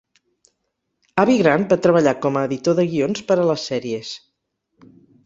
Abi Grant va treballar com a "editor de guions" per a les sèries.